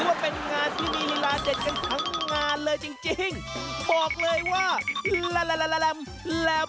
คือว่าเป็นงานที่มีลีลาเด็ดกันทั้งงานเลยจริง